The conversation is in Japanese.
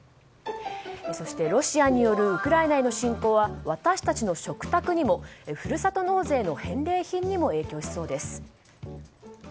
そして、ロシアによるウクライナへの侵攻は私たちの食卓にもふるさと納税の返礼品にも影響しそうです。